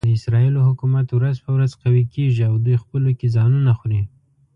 د اسرایلو حکومت ورځ په ورځ قوي کېږي او دوی خپلو کې ځانونه خوري.